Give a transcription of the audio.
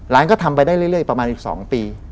ก็ทำไปได้เรื่อยประมาณอีก๒ปี